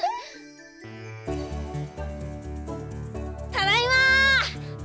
ただいま！